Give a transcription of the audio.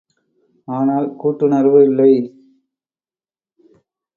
ஆனால் கூட்டுணர்வு இல்லை!